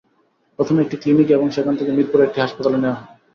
প্রথমে একটি ক্লিনিকে এবং সেখান থেকে মিরপুরের একটি হাসপাতালে নেওয়া হয়।